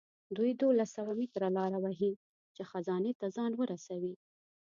دوی دولس سوه متره لاره وهي چې خزانې ته ځان ورسوي.